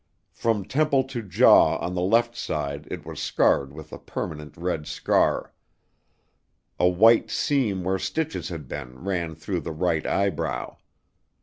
From temple to jaw on the left side it was scarred with a permanent red scar. A white seam where stitches had been, ran through the right eyebrow.